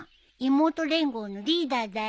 妹連合のリーダーだよ。